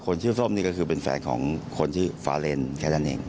ชื่อส้มนี่ก็คือเป็นแฟนของคนชื่อฟาเลนแค่นั้นเอง